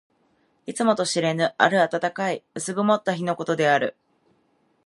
いつとも知れぬ、ある暖かい薄曇った日のことである。